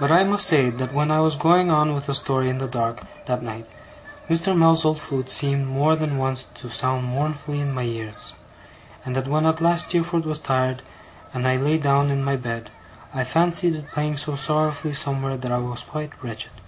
But I must say that when I was going on with a story in the dark that night, Mr. Mell's old flute seemed more than once to sound mournfully in my ears; and that when at last Steerforth was tired, and I lay down in my bed, I fancied it playing so sorrowfully somewhere, that I was quite wretched.